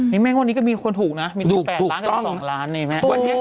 นี่แม่งวันนี้ก็มีคนถูกนะมีถูก๘ล้านกับ๒ล้านนี่แม่